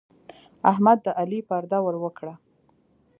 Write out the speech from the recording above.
احمد د علي پرده ور وکړه.